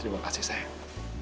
terima kasih sayang